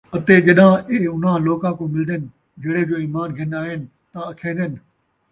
اَتے ڄَݙاں اِیہ اُنھاں لوکاں کوں مِلدن جِہڑے جو اِیمان گِھن آئِن تاں اَکھیندن،